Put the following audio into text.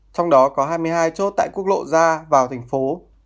trong đó có hai mươi hai chốt tại quốc lộ ra vào thành phố